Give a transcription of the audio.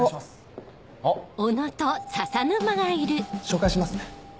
紹介しますね。